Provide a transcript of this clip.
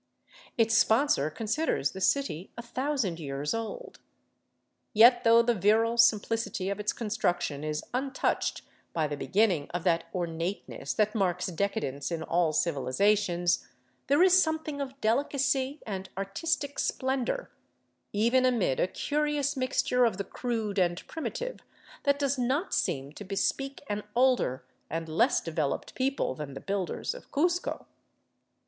Its sponsor considers the city a thousand years old. Yet though the virile simplicity of its construction is untouched by the beginning of that ornateness that marks decadence in all civilizations, there is something of delicacy and artistic splendor, even amid a curious mix ture of the crude and primitive, that does not seem to bespeak an older and less developed people than the builders of Cuzco.